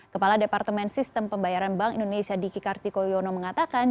kepala departemen sistem pembayaran bank indonesia diki kartikoyono mengatakan